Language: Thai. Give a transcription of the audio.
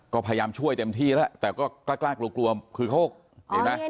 ก็พยายามช่วยเต็มที่แล้วแต่ก็กล้ากลัวกลัวคือเขาเห็นไหม